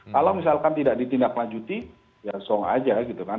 kalau misalkan tidak ditindaklanjuti ya song aja gitu kan